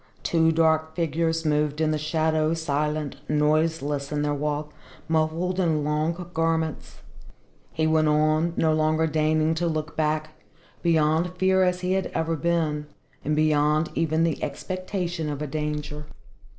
Two dark figures moved in the shadow, silent, noiseless in their walk, muffled in long garments. He went on, no longer deigning to look back, beyond fear as he had ever been, and beyond even the expectation of a danger.